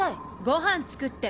ご飯作って。